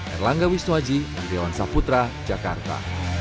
erlangga wisnuaji andriawan saputra jakarta